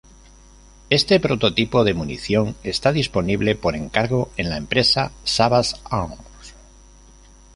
Este prototipo de munición está disponible por encargo, en la empresa Savage Arms.